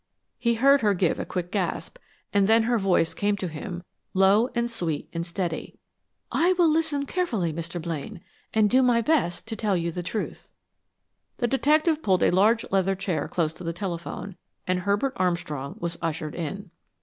He heard her give a quick gasp, and then her voice came to him, low and sweet and steady. "I will listen carefully, Mr. Blaine, and do my best to tell you the truth." The detective pulled a large leather chair close to the telephone, and Herbert Armstrong was ushered in.